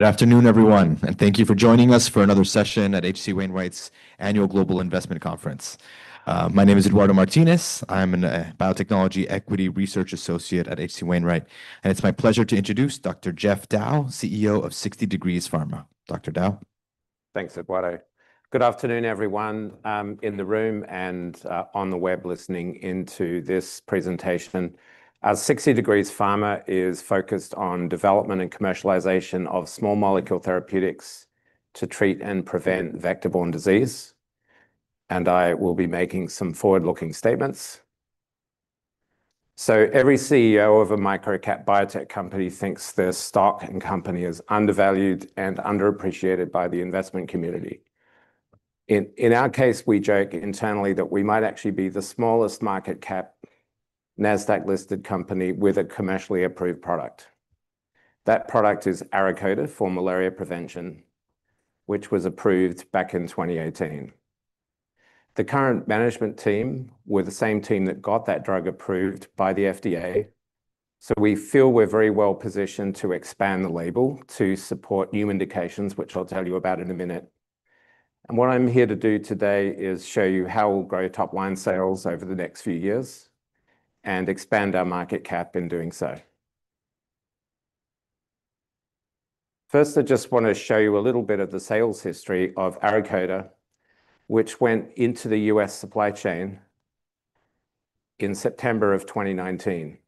Good afternoon, everyone, and thank you for joining us for another session at H.C. Wainwright's annual Global Investment Conference. My name is Eduardo Martinez. I'm a biotechnology equity research associate at H.C. Wainwright, and it's my pleasure to introduce Dr. Geoff Dow, CEO of 60 Degrees Pharma. Dr. Dow. Thanks, Eduardo. Good afternoon, everyone in the room and on the web listening into this presentation. 60 Degrees Pharma is focused on development and commercialization of small molecule therapeutics to treat and prevent vector-borne disease, and I will be making some forward-looking statements, so every CEO of a micro-cap biotech company thinks their stock and company is undervalued and underappreciated by the investment community. In our case, we joke internally that we might actually be the smallest market cap Nasdaq-listed company with a commercially approved product. That product is ARAKODA for malaria prevention, which was approved back in 2018. The current management team were the same team that got that drug approved by the FDA, so we feel we're very well positioned to expand the label to support new indications, which I'll tell you about in a minute. What I'm here to do today is show you how we'll grow top-line sales over the next few years and expand our market cap in doing so. First, I just want to show you a little bit of the sales history of ARAKODA, which went into the U.S. supply chain in September of 2019.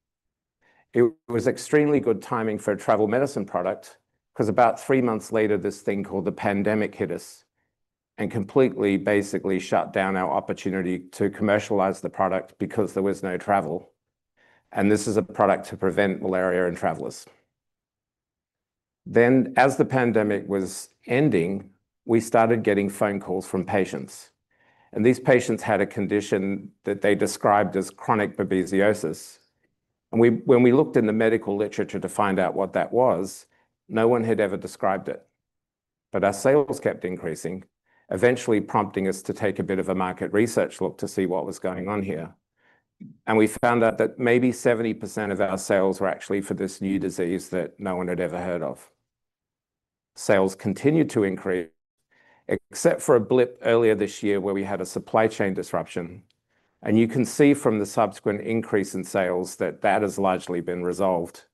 It was extremely good timing for a travel medicine product because about three months later, this thing called the pandemic hit us and completely, basically shut down our opportunity to commercialize the product because there was no travel. This is a product to prevent malaria and travelers. As the pandemic was ending, we started getting phone calls from patients, and these patients had a condition that they described as chronic babesiosis. When we looked in the medical literature to find out what that was, no one had ever described it. But our sales kept increasing, eventually prompting us to take a bit of a market research look to see what was going on here. And we found out that maybe 70% of our sales were actually for this new disease that no one had ever heard of. Sales continued to increase, except for a blip earlier this year where we had a supply chain disruption. And you can see from the subsequent increase in sales that that has largely been resolved,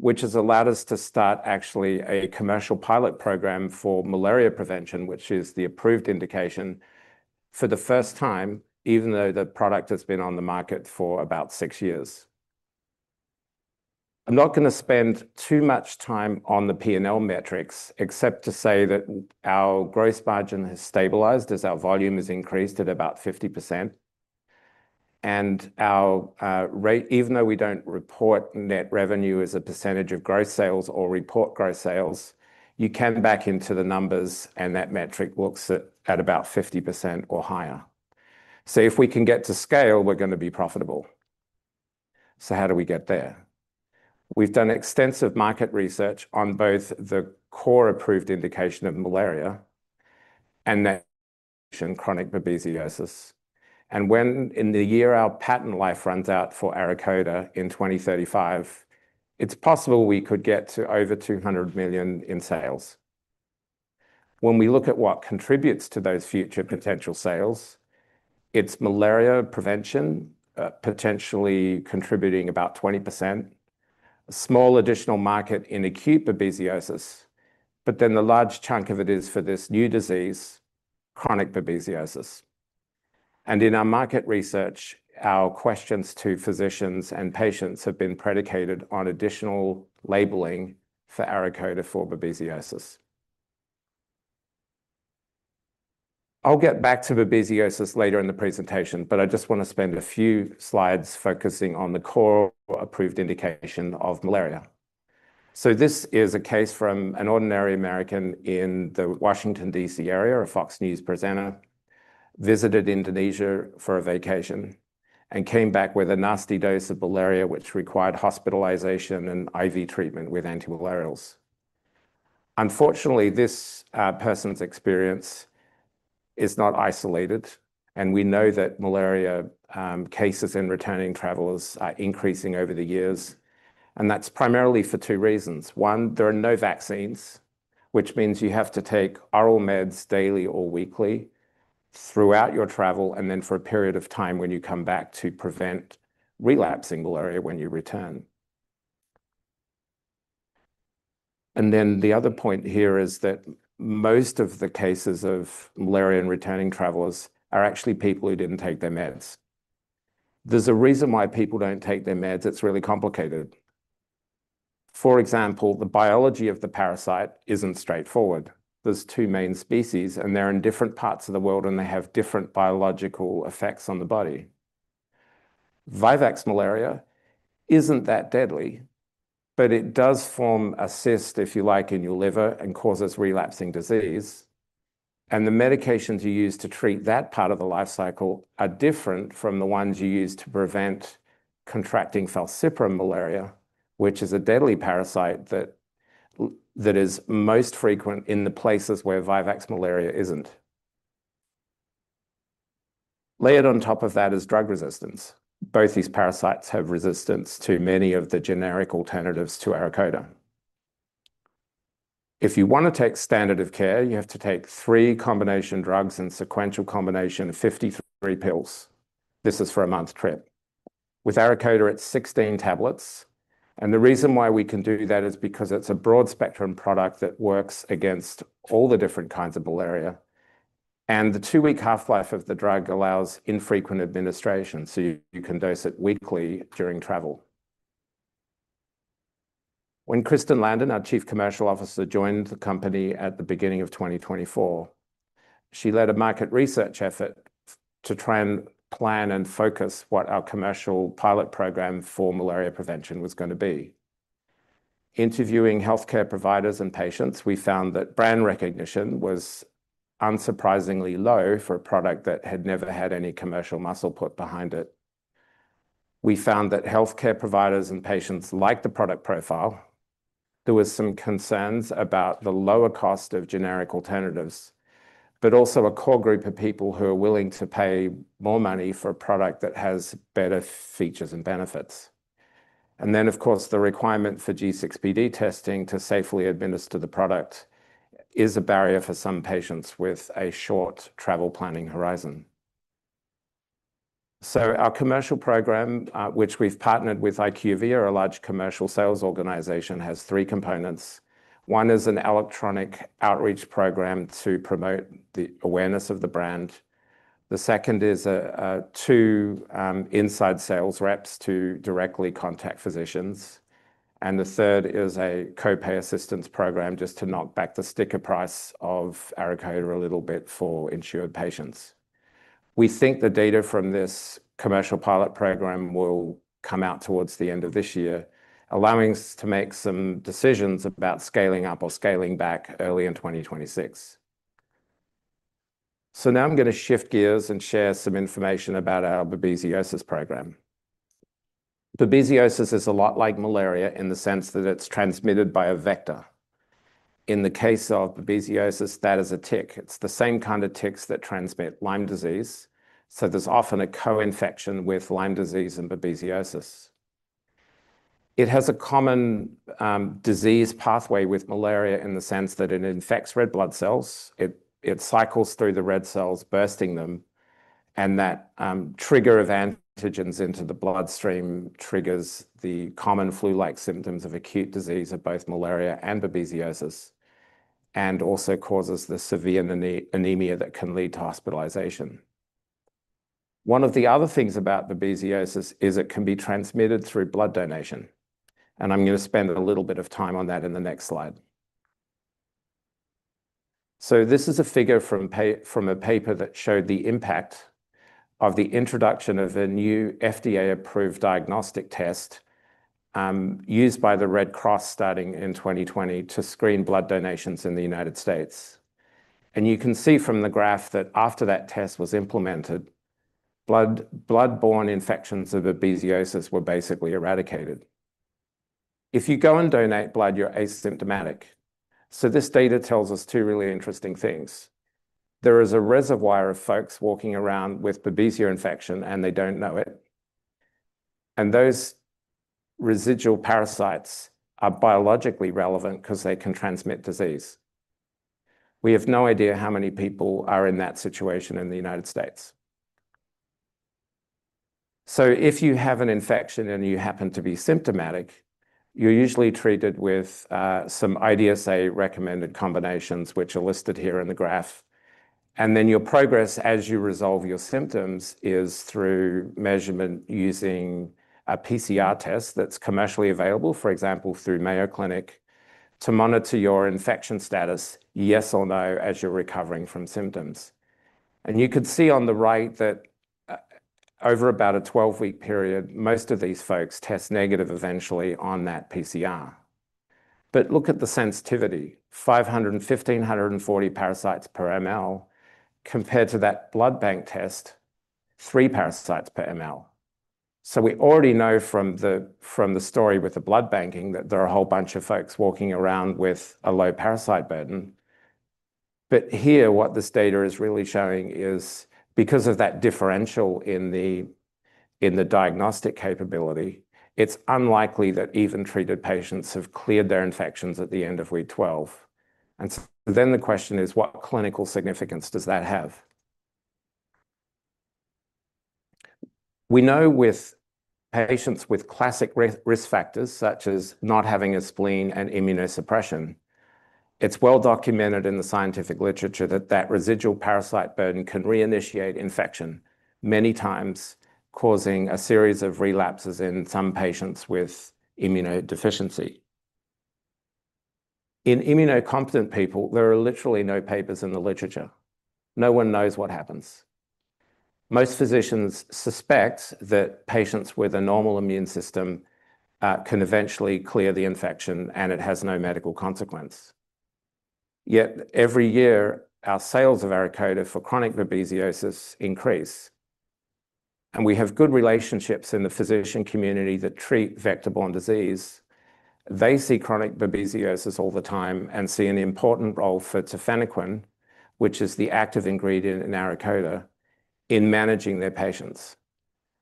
which has allowed us to start actually a commercial pilot program for malaria prevention, which is the approved indication for the first time, even though the product has been on the market for about six years. I'm not going to spend too much time on the P&L metrics, except to say that our gross margin has stabilized as our volume has increased at about 50%. Our rate, even though we don't report net revenue as a percentage of gross sales or report gross sales, you can back into the numbers, and that metric looks at about 50% or higher. If we can get to scale, we're going to be profitable. How do we get there? We've done extensive market research on both the core approved indication of malaria and that chronic babesiosis. When in the year our patent life runs out for ARAKODA in 2035, it's possible we could get to over $200 million in sales. When we look at what contributes to those future potential sales, it's malaria prevention potentially contributing about 20%, a small additional market in acute babesiosis, but then the large chunk of it is for this new disease, chronic babesiosis. In our market research, our questions to physicians and patients have been predicated on additional labeling for ARAKODA for babesiosis. I'll get back to babesiosis later in the presentation, but I just want to spend a few slides focusing on the core approved indication of malaria. This is a case from an ordinary American in the Washington, D.C. area, a Fox News presenter, visited Indonesia for a vacation and came back with a nasty dose of malaria, which required hospitalization and IV treatment with antimalarials. Unfortunately, this person's experience is not isolated, and we know that malaria cases and returning travelers are increasing over the years, and that's primarily for two reasons. One, there are no vaccines, which means you have to take oral meds daily or weekly throughout your travel and then for a period of time when you come back to prevent relapsing malaria when you return, and then the other point here is that most of the cases of malaria in returning travelers are actually people who didn't take their meds. There's a reason why people don't take their meds. It's really complicated. For example, the biology of the parasite isn't straightforward. There's two main species, and they're in different parts of the world, and they have different biological effects on the body. Vivax malaria isn't that deadly, but it does form a cyst, if you like, in your liver and causes relapsing disease. The medications you use to treat that part of the life cycle are different from the ones you use to prevent contracting falciparum malaria, which is a deadly parasite that is most frequent in the places where vivax malaria isn't. Layered on top of that is drug resistance. Both these parasites have resistance to many of the generic alternatives to ARAKODA. If you want to take standard of care, you have to take three combination drugs and sequential combination of 53 pills. This is for a month trip. With ARAKODA, it's 16 tablets. The reason why we can do that is because it's a broad-spectrum product that works against all the different kinds of malaria. The two-week half-life of the drug allows infrequent administration, so you can dose it weekly during travel. When Kristen Landon, our Chief Commercial Officer, joined the company at the beginning of 2024, she led a market research effort to try and plan and focus what our commercial pilot program for malaria prevention was going to be. Interviewing healthcare providers and patients, we found that brand recognition was unsurprisingly low for a product that had never had any commercial muscle put behind it. We found that healthcare providers and patients liked the product profile. There were some concerns about the lower cost of generic alternatives, but also a core group of people who are willing to pay more money for a product that has better features and benefits. And then, of course, the requirement for G6PD testing to safely administer the product is a barrier for some patients with a short travel planning horizon. So, our commercial program, which we've partnered with IQVIA, a large commercial sales organization, has three components. One is an electronic outreach program to promote the awareness of the brand. The second is two inside sales reps to directly contact physicians. And the third is a copay assistance program just to knock back the sticker price of ARAKODA a little bit for insured patients. We think the data from this commercial pilot program will come out towards the end of this year, allowing us to make some decisions about scaling up or scaling back early in 2026. So now I'm going to shift gears and share some information about our babesiosis program. Babesiosis is a lot like malaria in the sense that it's transmitted by a vector. In the case of babesiosis, that is a tick. It's the same kind of ticks that transmit Lyme disease. There's often a co-infection with Lyme disease and babesiosis. It has a common disease pathway with malaria in the sense that it infects red blood cells. It cycles through the red cells, bursting them, and that trigger of antigens into the bloodstream triggers the common flu-like symptoms of acute disease of both malaria and babesiosis, and also causes the severe anemia that can lead to hospitalization. One of the other things about babesiosis is it can be transmitted through blood donation. I'm going to spend a little bit of time on that in the next slide. This is a figure from a paper that showed the impact of the introduction of a new FDA-approved diagnostic test used by the Red Cross starting in 2020 to screen blood donations in the United States. You can see from the graph that after that test was implemented, blood-borne infections of babesiosis were basically eradicated. If you go and donate blood, you're asymptomatic. This data tells us two really interesting things. There is a reservoir of folks walking around with Babesia infection, and they don't know it. Those residual parasites are biologically relevant because they can transmit disease. We have no idea how many people are in that situation in the United States. If you have an infection and you happen to be symptomatic, you're usually treated with some IDSA-recommended combinations, which are listed here in the graph. Then your progress as you resolve your symptoms is through measurement using a PCR test that's commercially available, for example, through Mayo Clinic, to monitor your infection status, yes or no, as you're recovering from symptoms. And you could see on the right that over about a 12-week period, most of these folks test negative eventually on that PCR. But look at the sensitivity: 515,140 parasites per mL compared to that blood bank test, three parasites per mL. So we already know from the story with the blood banking that there are a whole bunch of folks walking around with a low parasite burden. But here, what this data is really showing is because of that differential in the diagnostic capability, it's unlikely that even treated patients have cleared their infections at the end of week 12. And so then the question is, what clinical significance does that have? We know with patients with classic risk factors such as not having a spleen and immunosuppression, it's well documented in the scientific literature that that residual parasite burden can reinitiate infection many times, causing a series of relapses in some patients with immunodeficiency. In immunocompetent people, there are literally no papers in the literature. No one knows what happens. Most physicians suspect that patients with a normal immune system can eventually clear the infection, and it has no medical consequence. Yet every year, our sales of ARAKODA for chronic babesiosis increase. And we have good relationships in the physician community that treat vector-borne disease. They see chronic babesiosis all the time and see an important role for tafenoquine, which is the active ingredient in ARAKODA, in managing their patients.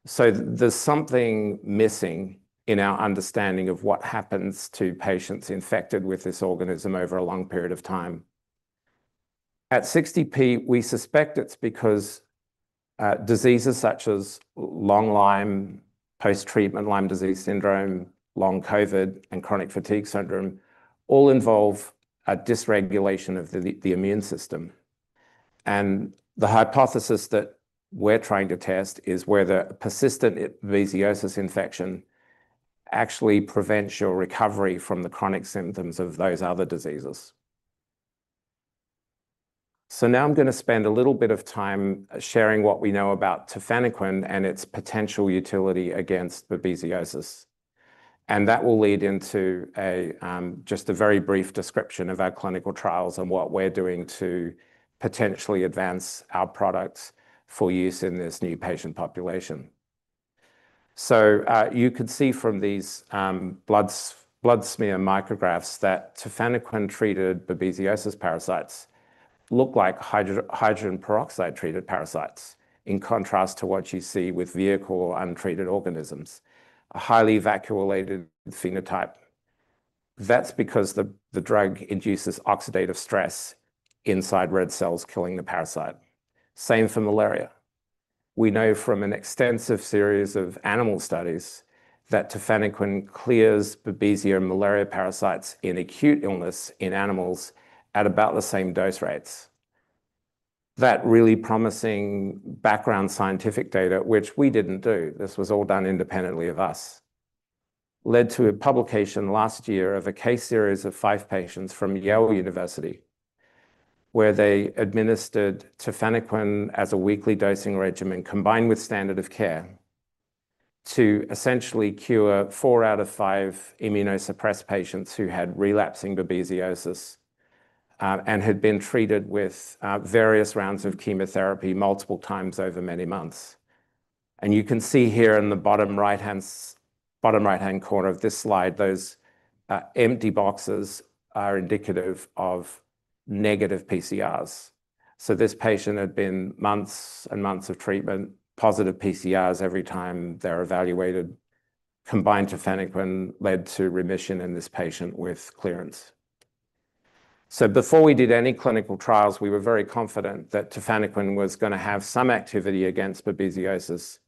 So there's something missing in our understanding of what happens to patients infected with this organism over a long period of time. At 60P, we suspect it's because diseases such as long Lyme, post-treatment Lyme disease syndrome, long COVID, and chronic fatigue syndrome all involve a dysregulation of the immune system. And the hypothesis that we're trying to test is whether a persistent babesiosis infection actually prevents your recovery from the chronic symptoms of those other diseases. So now I'm going to spend a little bit of time sharing what we know about tafenoquine and its potential utility against babesiosis. And that will lead into just a very brief description of our clinical trials and what we're doing to potentially advance our products for use in this new patient population. So you could see from these blood smear micrographs that tafenoquine-treated babesiosis parasites look like hydrogen peroxide-treated parasites in contrast to what you see with vehicle-untreated organisms, a highly vacuolated phenotype. That's because the drug induces oxidative stress inside red cells, killing the parasite. Same for malaria. We know from an extensive series of animal studies that tafenoquine clears Babesia and malaria parasites in acute illness in animals at about the same dose rates. That really promising background scientific data, which we didn't do, this was all done independently of us, led to a publication last year of a case series of five patients from Yale University where they administered tafenoquine as a weekly dosing regimen combined with standard of care to essentially cure four out of five immunosuppressed patients who had relapsing babesiosis and had been treated with various rounds of chemotherapy multiple times over many months. And you can see here in the bottom right-hand corner of this slide, those empty boxes are indicative of negative PCRs. So this patient had been months and months of treatment, positive PCRs every time they're evaluated, combined tafenoquine led to remission in this patient with clearance. So before we did any clinical trials, we were very confident that tafenoquine was going to have some activity against babesiosis.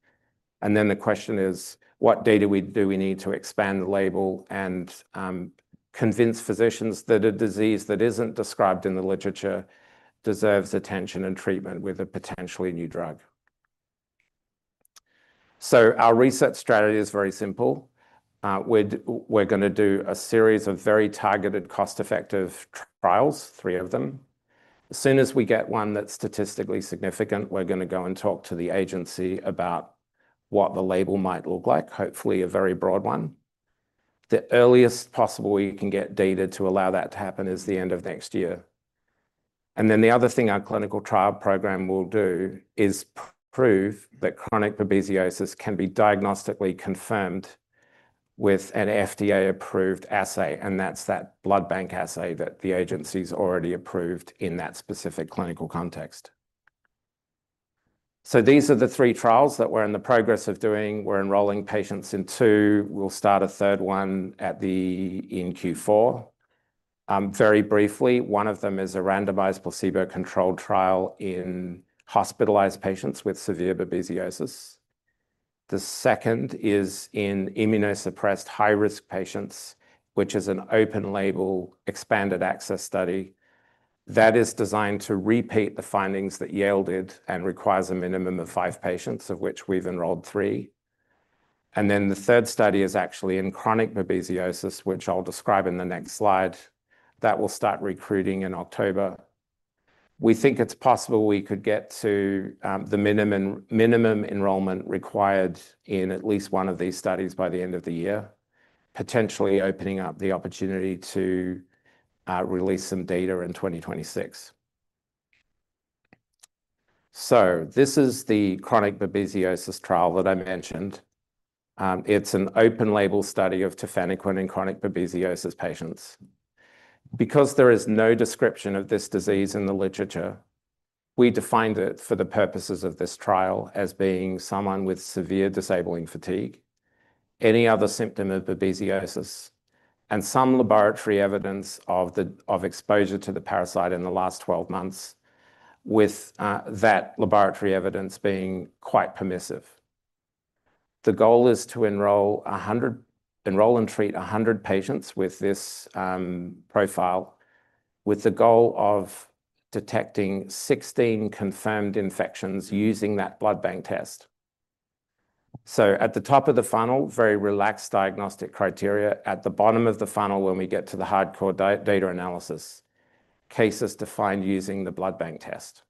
And then the question is, what data do we need to expand the label and convince physicians that a disease that isn't described in the literature deserves attention and treatment with a potentially new drug? So our research strategy is very simple. We're going to do a series of very targeted, cost-effective trials, three of them. As soon as we get one that's statistically significant, we're going to go and talk to the agency about what the label might look like, hopefully a very broad one. The earliest possible way you can get data to allow that to happen is the end of next year, and then the other thing our clinical trial program will do is prove that chronic babesiosis can be diagnostically confirmed with an FDA-approved assay, and that's that blood bank assay that the agency's already approved in that specific clinical context, so these are the three trials that we're in the progress of doing. We're enrolling patients in two. We'll start a third one at the Q4. Very briefly, one of them is a randomized placebo-controlled trial in hospitalized patients with severe babesiosis. The second is in immunosuppressed high-risk patients, which is an open-label expanded access study that is designed to repeat the findings that Yale did and requires a minimum of five patients, of which we've enrolled three. And then the third study is actually in chronic babesiosis, which I'll describe in the next slide. That will start recruiting in October. We think it's possible we could get to the minimum enrollment required in at least one of these studies by the end of the year, potentially opening up the opportunity to release some data in 2026. So this is the chronic babesiosis trial that I mentioned. It's an open-label study of tafenoquine in chronic babesiosis patients. Because there is no description of this disease in the literature, we defined it for the purposes of this trial as being someone with severe disabling fatigue, any other symptom of babesiosis, and some laboratory evidence of exposure to the parasite in the last 12 months, with that laboratory evidence being quite permissive. The goal is to enroll and treat 100 patients with this profile, with the goal of detecting 16 confirmed infections using that blood bank test. So at the top of the funnel, very relaxed diagnostic criteria. At the bottom of the funnel, when we get to the hardcore data analysis, cases defined using the blood bank test.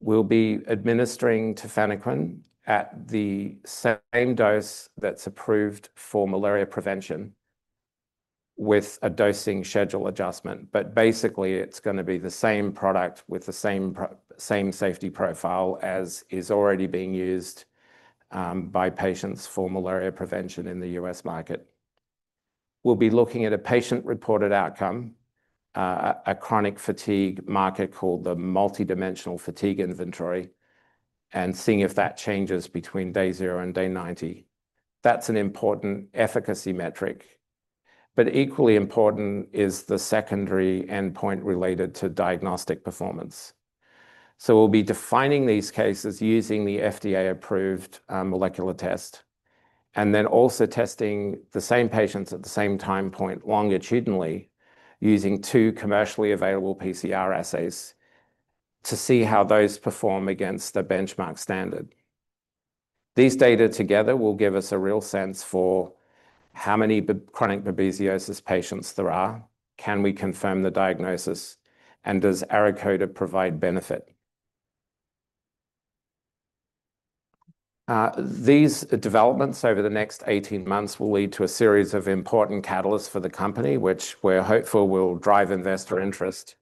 We'll be administering tafenoquine at the same dose that's approved for malaria prevention with a dosing schedule adjustment. But basically, it's going to be the same product with the same safety profile as is already being used by patients for malaria prevention in the U.S. market. We'll be looking at a patient-reported outcome, a chronic fatigue marker called the Multidimensional Fatigue Inventory, and seeing if that changes between day zero and day 90. That's an important efficacy metric. But equally important is the secondary endpoint related to diagnostic performance. So we'll be defining these cases using the FDA-approved molecular test and then also testing the same patients at the same time point longitudinally using two commercially available PCR assays to see how those perform against the benchmark standard. These data together will give us a real sense for how many chronic babesiosis patients there are, can we confirm the diagnosis, and does ARAKODA provide benefit. These developments over the next 18 months will lead to a series of important catalysts for the company, which we're hopeful will drive investor interest.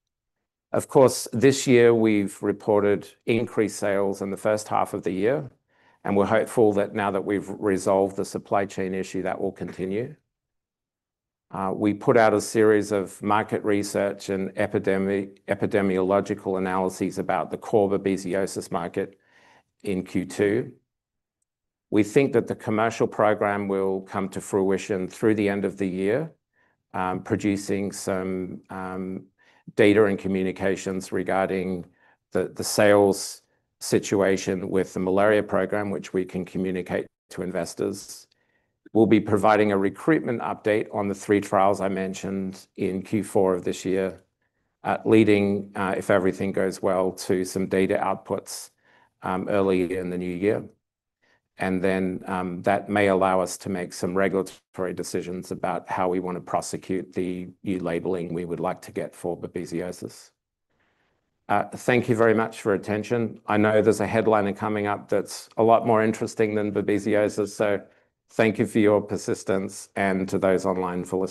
Of course, this year, we've reported increased sales in the first half of the year, and we're hopeful that now that we've resolved the supply chain issue, that will continue. We put out a series of market research and epidemiological analyses about the core babesiosis market in Q2. We think that the commercial program will come to fruition through the end of the year, producing some data and communications regarding the sales situation with the malaria program, which we can communicate to investors. We'll be providing a recruitment update on the three trials I mentioned in Q4 of this year, leading, if everything goes well, to some data outputs early in the new year. And then that may allow us to make some regulatory decisions about how we want to prosecute the new labeling we would like to get for babesiosis. Thank you very much for your attention. I know there's a headliner coming up that's a lot more interesting than babesiosis, so thank you for your persistence and to those online following.